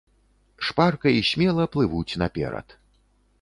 Шпарка і смела плывуць наперад.